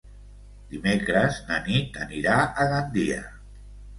Dimecres na Nit anirà a Gandia.